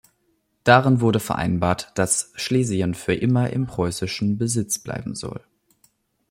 Darin wurde vereinbart, dass Schlesien für immer im preußischen Besitz bleiben soll.